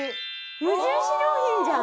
無印良品じゃん！